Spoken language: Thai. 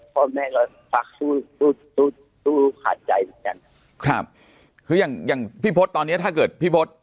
พ่อแม่ก็พักสู้สู้ขาดใจเหมือนกันครับคืออย่างอย่างพี่พศตอนเนี้ยถ้าเกิดพี่พศ